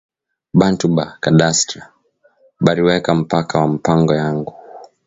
Bantu ba cadastre bari weka mpaka wa mpango yangu